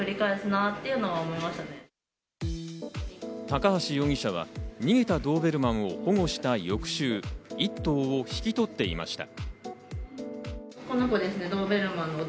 高橋容疑者は逃げたドーベルマンを保護した翌週、１頭を引き取っていました。